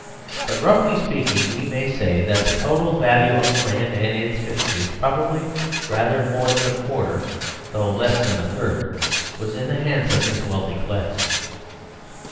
But, roughly speaking, we may say that of the total value of the land and its fixtures, probably rather more than a quarter, though less than a third, was in the hands of this wealthy class.